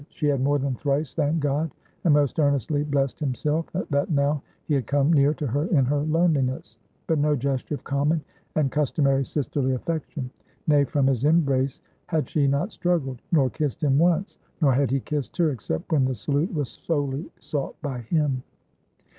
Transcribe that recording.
She had more than thrice thanked God, and most earnestly blessed himself, that now he had come near to her in her loneliness; but no gesture of common and customary sisterly affection. Nay, from his embrace had she not struggled? nor kissed him once; nor had he kissed her, except when the salute was solely sought by him.